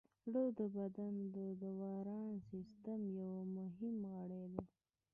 زړه د بدن د دوران سیستم یو مهم غړی دی.